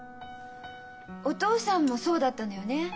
お父さんもそうだったのよね。